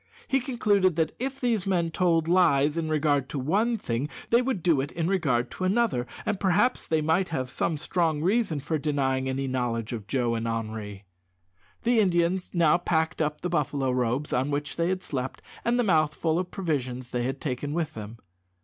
He concluded that if these men told lies in regard to one thing, they would do it in regard to another, and perhaps they might have some strong reason for denying any knowledge of Joe and Henri. The Indians now packed up the buffalo robes on which they had slept, and the mouthful of provisions they had taken with them.